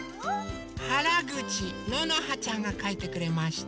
はらぐちののはちゃんがかいてくれました。